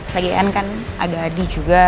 pgn kan ada adi juga